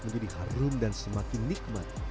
menjadi harum dan semakin nikmat